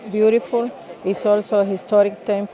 cái tòa nhà này rất đẹp